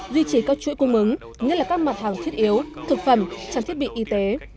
duy trì các chuỗi cung ứng nhất là các mặt hàng thiết yếu thực phẩm trang thiết bị y tế